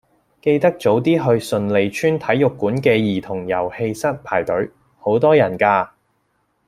記得早啲去順利邨體育館嘅兒童遊戲室排隊，好多人㗎。